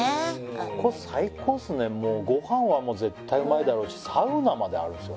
ここ最高っすねご飯は絶対うまいだろうしサウナまであるんですよ